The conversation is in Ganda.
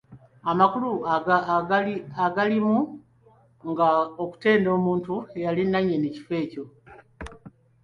Amakulu agalirimu ga kutenda muntu eyali nannyini kifo ekyo.